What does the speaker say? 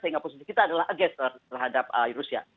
sehingga posisi kita adalah agas terhadap rusia